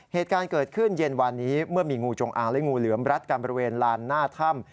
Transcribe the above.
เหตุการณ์เกิดขึ้นเย็นวันนี้เมื่อมีงูจงอางและงูเหลือมรัดกันบริเวณลานหน้าถ้ำ